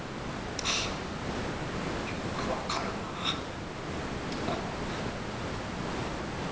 あっよく分かるなハハッ。